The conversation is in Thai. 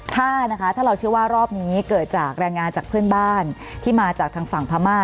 ถ้านะคะถ้าเราเชื่อว่ารอบนี้เกิดจากแรงงานจากเพื่อนบ้านที่มาจากทางฝั่งพม่า